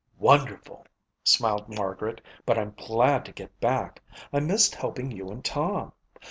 "Wonderful," smiled Margaret, "but I'm glad to get back. I missed helping you and Tom.